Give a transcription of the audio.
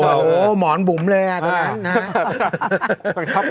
โอ้โหหมอนบุ๋มเลยอ่ะตอนนั้นนะครับ